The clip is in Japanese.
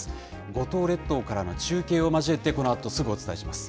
五島列島からの中継を交えて、このあと、すぐお伝えします。